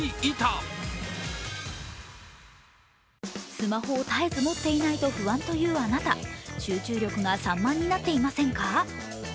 スマホを絶えず持っていないと不安というあなた、集中力が散漫になっていませんか？